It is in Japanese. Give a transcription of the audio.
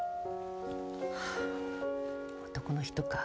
男の人か。